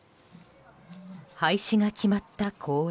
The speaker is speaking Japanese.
廃止が決まった公園。